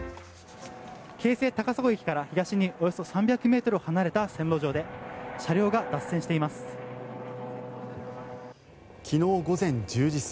京成高砂駅から東におよそ３００ｍ離れた線路上で車両が脱線しています。